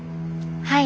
はい。